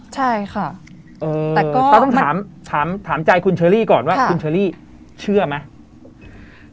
ใช่ค่ะแต่ก็ต้องถามใจคุณเชอรี่ก่อนว่าคุณเชอรี่เชื่อไหม